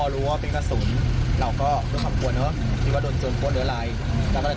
เราก็ยังไม่รู้ว่าของใครนะครับ